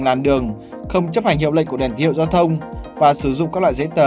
làn đường không chấp hành hiệu lệnh của đèn hiệu giao thông và sử dụng các loại giấy tờ